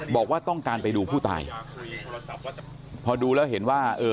บอกว่าต้องการไปดูผู้ตายพอดูแล้วเห็นว่าเออ